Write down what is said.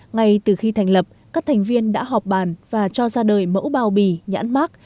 ngay từ khi thành lập các thành viên đã họp bàn và cho ra đời mẫu bao bì nhãn mát